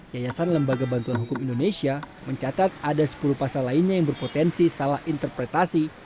yayasan lembaga bantuan hukum indonesia mencatat ada sepuluh pasal lainnya yang berpotensi salah interpretasi